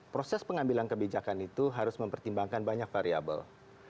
proses pengambilan kebijakan itu harus mempertimbangkan banyak variable